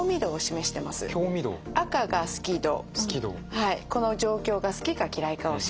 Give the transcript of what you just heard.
この状況が好きか嫌いかを示してます。